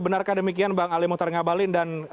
benarkah demikian bang ali muhtar ngabalin dan